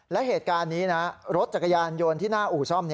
และเหตุการณ์นี้นะรถจักรยานยนต์ที่หน้าอู่ซ่อม